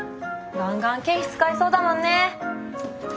ガンガン経費使いそうだもんね。